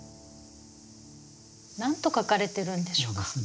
何と書かれてるんでしょうか？